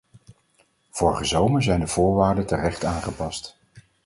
Vorige zomer zijn de voorwaarden terecht aangepast.